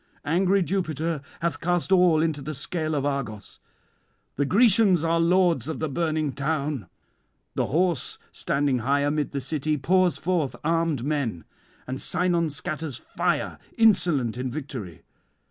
Angry Jupiter hath cast all into the scale of Argos. The Grecians are lords of the burning [328 362]town. The horse, standing high amid the city, pours forth armed men, and Sinon scatters fire, insolent in victory.